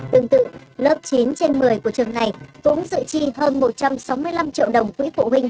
tương tự lớp chín trên một mươi của trường này cũng dự chi hơn một trăm sáu mươi năm triệu đồng quỹ phụ huynh